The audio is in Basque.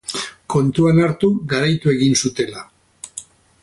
Kontuan hartu garaitu egin zutela.